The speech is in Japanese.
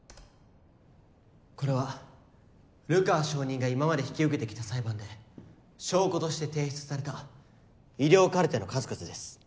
これは流川証人が今まで引き受けてきた裁判で証拠として提出された医療カルテの数々です。